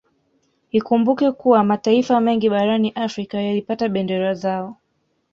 Ikumbukwe kuwa mataifa mengi barani Afrika yalipata bendera zao